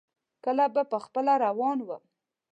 کله به خپله روان ووم.